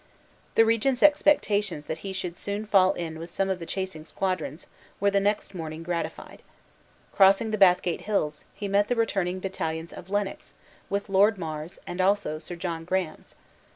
The regent's expectations that he should soon fall in with some of the chasing squadrons, were the next morning gratified. Crossing the Bathgate Hills, he met the returning battalions of Lennox, with Lord Mar's, and also Sir John Graham's.